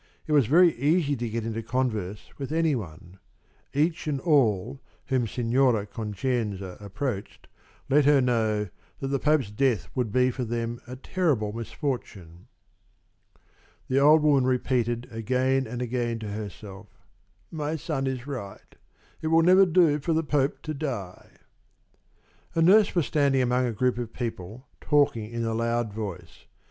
It was very easy to get into converse with any one. Each and all whom Signora Concenza approached let her know that the Pope's death would be for them a terrible misfortune. The old woman repeated again and again to herself: "My son is right. It will never do for the Pope to die." A nurse was standing among a group of people, talking in a loud voice.